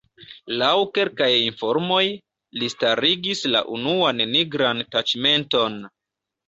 Laŭ kelkaj informoj, li starigis la unuan nigran taĉmenton.